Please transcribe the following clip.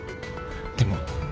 でも。